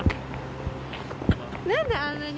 何であんなに。